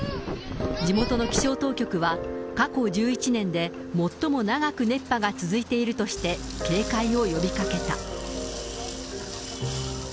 地元の気象当局は、過去１１年で最も長く熱波が続いているとして、警戒を呼びかけた。